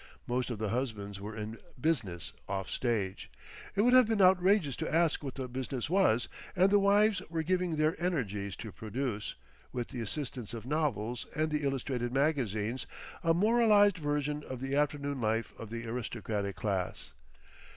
Most of the husbands were "in business" off stage, it would have been outrageous to ask what the business was—and the wives were giving their energies to produce, with the assistance of novels and the illustrated magazines, a moralised version of the afternoon life of the aristocratic class.